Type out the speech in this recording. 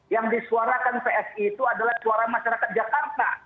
yang disuarakan psi itu adalah suara masyarakat jakarta